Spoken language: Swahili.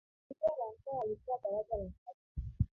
abiria wanane walikuwa daraja la tatu